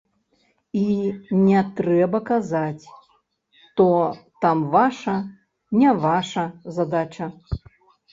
І не трэба казаць, то там ваша, не ваша задача.